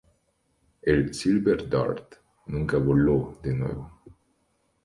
El "Silver Dart" nunca voló de nuevo.